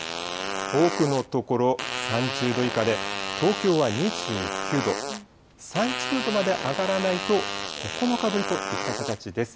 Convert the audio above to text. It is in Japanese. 多くの所、３０度以下で、東京は２９度、３０度まで上がらないと、９日ぶりといった形です。